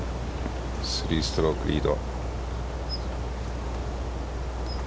３ストロークリード。